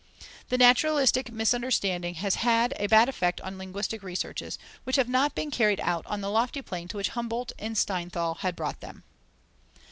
The naturalistic misunderstanding has had a bad effect on linguistic researches, which have not been carried out on the lofty plane to which Humboldt and Steinthal had brought them.